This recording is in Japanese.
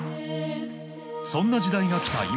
そんな時代が来た